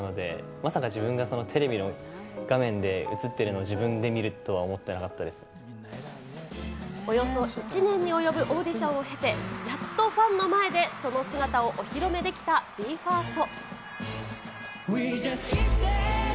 まさか自分がそのテレビの画面で映ってるを自分で見るとは思っておよそ１年に及ぶオーディションを経て、やっとファンの前でその姿をお披露目できたビーファースト。